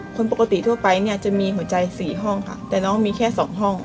คนปกติทั่วไปเนี่ยจะมีหัวใจ๔ห้องค่ะแต่น้องมีแค่๒ห้อง